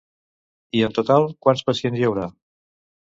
I en total quants pacients hi haurà?